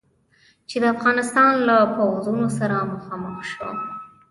چې د افغانستان له پوځونو سره مخامخ شو.